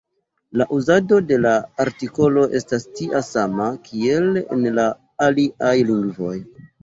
La uzado de la artikolo estas tia sama, kiel en la aliaj lingvoj.